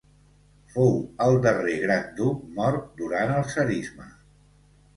Fou el darrer gran duc mort durant el tsarisme.